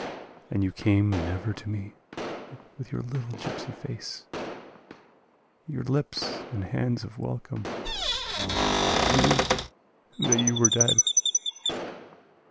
... And you came never to me with your little gypsy face. Your lips and hands of welcome, I knew that you were dead!